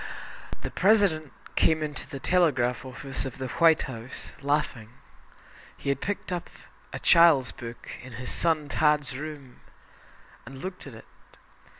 The President came into the telegraph office of the White House, laughing. He had picked up a child's book in his son "Tad's" room and looked at it.